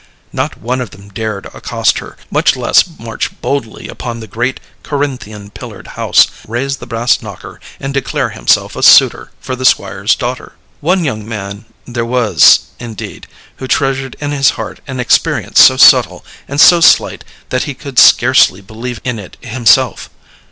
Not one of them dared accost her, much less march boldly upon the great Corinthian pillared house, raise the brass knocker, and declare himself a suitor for the Squire's daughter. One young man there was, indeed, who treasured in his heart an experience so subtle and so slight that he could scarcely believe in it himself.